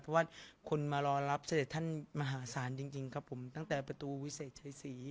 เพราะว่าคนมารอรับเสด็จท่านมหาศาลจริงครับผมตั้งแต่ประตูวิเศษชัยศรี